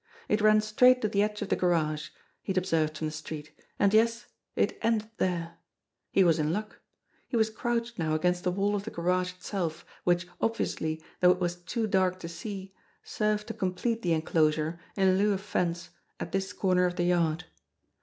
It ran straight to the edge of the garage, he had observed from the street, and yes, it ended there ! He was in luck ! He was crouched now against the wall of the garage itself, which obviously, though it was too dark to see, served to complete the enclo sure, in lieu of fence, at this corner of the yard.